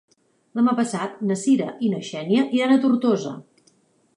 Demà passat na Cira i na Xènia iran a Tortosa.